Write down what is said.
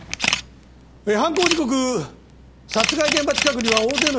犯行時刻殺害現場近くには大勢の人がいた。